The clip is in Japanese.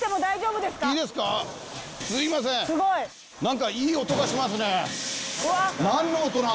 何かいい音がしますね。